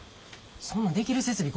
そんなんできる設備